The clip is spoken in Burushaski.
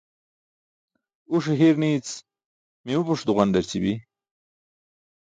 Uṣe hir nii̇c mimupuṣ duġandarći bi.